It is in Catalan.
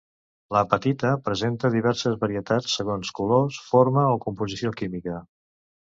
L'apatita presenta diverses varietats segons color, forma o composició química.